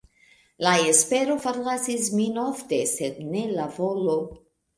La espero forlasis min ofte, sed ne la volo.